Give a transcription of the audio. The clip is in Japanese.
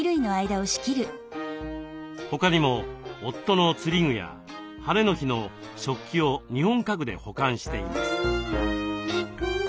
他にも夫の釣り具や晴れの日の食器を日本家具で保管しています。